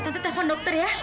tante telepon dokter ya